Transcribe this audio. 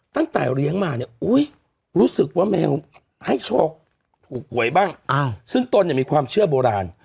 ตั้งแต่เลี้ยงมาเนี่ยรู้สึกว่าแมวให้โชคถูกหวยบ้างซึ่งตนเนี่ยมีความเชื่อโบราณ